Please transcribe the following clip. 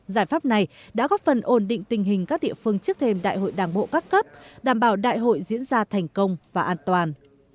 giải pháp này đã góp phần ổn định tình hình các địa phương trước thêm đại hội đảng bộ các cấp đảm bảo đại hội diễn ra thành công và an toàn